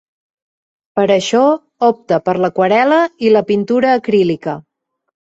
Per això opta per l’aquarel·la i la pintura acrílica.